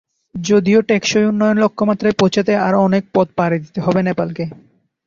যদিও টেকসই উন্নয়ন লক্ষ্যমাত্রায় পৌঁছাতে আরো অনেক পথ পাড়ি দিতে হবে নেপালকে।